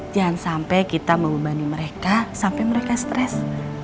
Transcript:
jangan sampai kita membebani mereka sampai mereka stres